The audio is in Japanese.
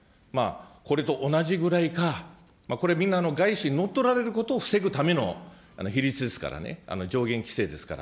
これと同じぐらいか、これ、みんな外資に乗っ取られることを防ぐための比率ですからね、上限規制ですから。